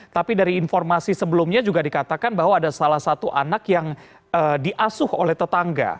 tapi dari informasi sebelumnya juga dikatakan bahwa ada salah satu anak yang diasuh oleh tetangga